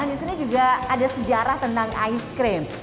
di sini juga ada sejarah tentang ice cream